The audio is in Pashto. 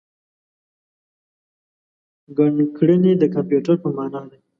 ګڼکړنی د کمپیوټر په مانا دی.